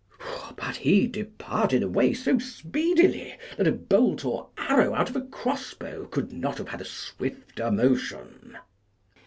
But he departed away so speedily that a bolt or arrow out of a crossbow could not have had a swifter motion.